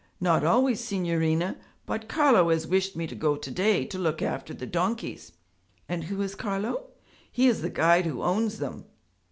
'Not always, signorina, but Carlo has wished me to go to day to look after the donkeys.' 'And who is Carlo?' 'He is the guide who owns them.'